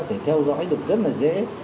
để theo dõi được rất là dễ